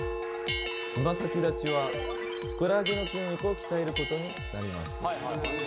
つま先立ちはふくらはぎの筋肉を鍛えることになります。